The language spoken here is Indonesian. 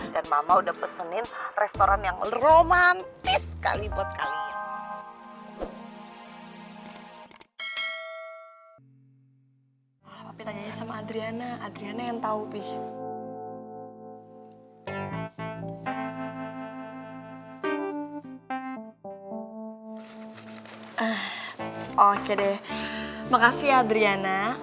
dan mama udah pesenin restoran yang romantis sekali buat kalian